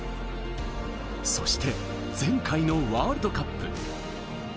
そして前回のワールドカップ。